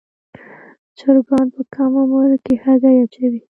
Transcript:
چرګان په کم عمر کې هګۍ اچوي.